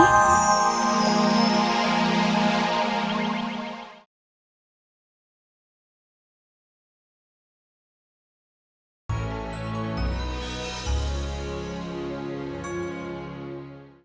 sampai jumpa lagi